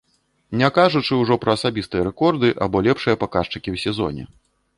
Не кажучы ўжо пра асабістыя рэкорды або лепшыя паказчыкі ў сезоне.